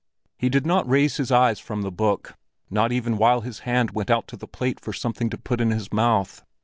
He did not raise his eyes from his book, not even while his hand went out to the plate for something to put in his mouth.